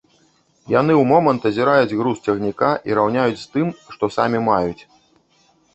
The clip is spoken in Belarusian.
Яны ў момант азіраюць груз цягніка і раўняюць з тым, што самі маюць.